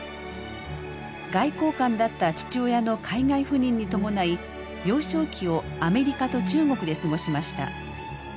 外交官だった父親の海外赴任に伴い幼少期をアメリカと中国で過ごしました。